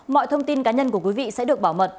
mọi thông tin cá nhân của quý vị sẽ được bảo mật